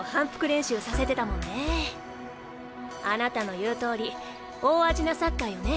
あなたの言うとおり大味なサッカーよね。